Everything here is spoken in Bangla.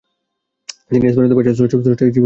তিনি এসপেরান্তো ভাষার স্রষ্টা হিসাবে সর্বাধিক খ্যাত।